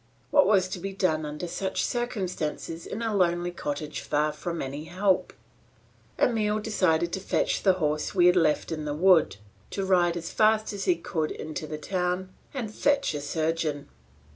What was to be done under such circumstances in a lonely cottage far from any help? Emile decided to fetch the horse we had left in the wood, to ride as fast as he could into the town and fetch a surgeon.